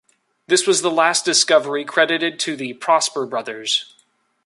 This was the last discovery credited to the Prosper brothers.